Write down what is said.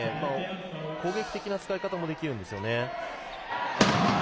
攻撃的な使い方もできるんですよね。